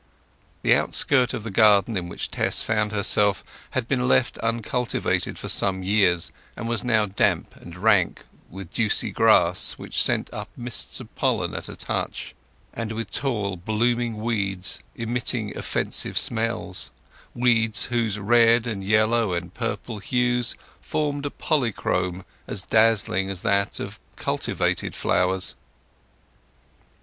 The outskirt of the garden in which Tess found herself had been left uncultivated for some years, and was now damp and rank with juicy grass which sent up mists of pollen at a touch; and with tall blooming weeds emitting offensive smells—weeds whose red and yellow and purple hues formed a polychrome as dazzling as that of cultivated flowers.